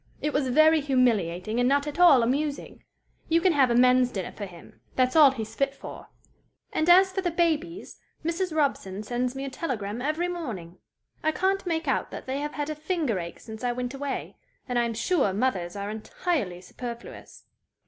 It was very humiliating, and not at all amusing. You can have a men's dinner for him. That's all he's fit for. "And as for the babies, Mrs. Robson sends me a telegram every morning. I can't make out that they have had a finger ache since I went away, and I am sure mothers are entirely superfluous.